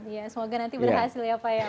iya semoga nanti berhasil ya pak